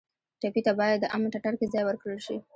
ټپي ته باید د امن ټټر کې ځای ورکړل شي.